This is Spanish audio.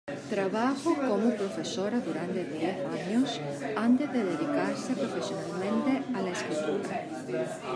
Trabajó como profesora durante diez años antes de dedicarse profesionalmente a la escritura.